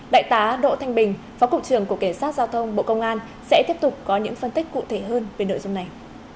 đại tá đỗ thanh bình phó cục trưởng cục cảnh sát giao thông bộ công an sẽ tiếp tục có những phân tích cụ thể hơn về nội dung này